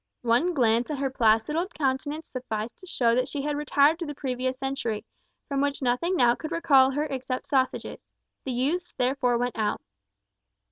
One glance at her placid old countenance sufficed to show that she had retired to the previous century, from which nothing now could recall her except sausages. The youths therefore went out.